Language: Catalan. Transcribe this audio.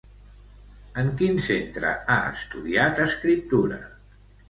En quin centre ha estudiat escriptura?